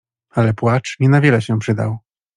Ale płacz nie na wiele się przydał.